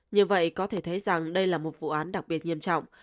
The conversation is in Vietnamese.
như vậy có thể thấy rằng đây là một vụ án đặc biệt nghiêm trọng